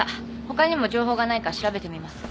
ほかにも情報がないか調べてみます。